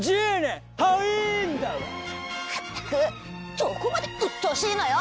まったくどこまでうっとうしいのよ！